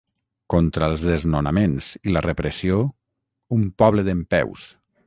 Contra els desnonaments i la repressió, un poble dempeus!